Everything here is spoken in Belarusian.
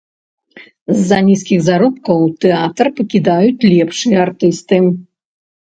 З-за нізкіх заробкаў тэатр пакідаюць лепшыя артысты.